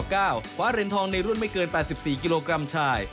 คว้าเหรียญทองในรุ่นไม่เกิน๘๔กิโลกรัมชาย